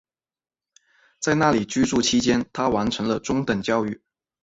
在那里居住期间她完成了中等教育。